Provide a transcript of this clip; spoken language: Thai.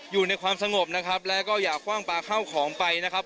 อยู่ในความสงบนะครับแล้วก็อย่าคว่างปลาเข้าของไปนะครับ